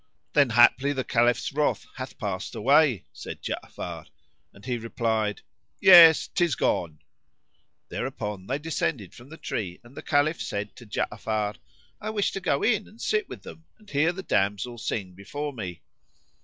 "Then haply the Caliph's wrath hath passed away," said Ja'afar, and he replied, "Yes, 'tis gone." Thereupon they descended from the tree, and the Caliph said to Ja'afar, "I wish to go in and sit with them; and hear the damsel sing before me."